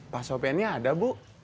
pasok pn nya ada bu